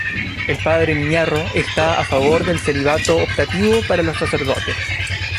El padre Miñarro está a favor del celibato optativo para los sacerdotes.